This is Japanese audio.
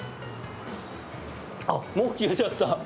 あ、もう消えちゃった。